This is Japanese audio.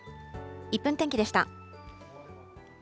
１分天気でした。